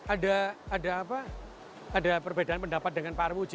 ada perbedaan pendapat dengan pak armuji